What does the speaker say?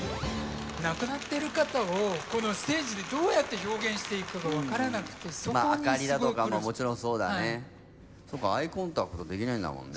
亡くなってる方をこのステージでどうやって表現していいかが分からなくてそこにすごい苦労して明かりだとかももちろんそうだねそうかアイコンタクトできないんだもんね